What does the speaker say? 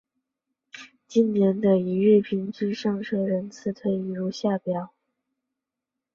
近年的一日平均上车人次推移如下表。